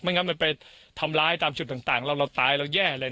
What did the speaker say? งั้นมันไปทำร้ายตามจุดต่างเราตายเราแย่เลย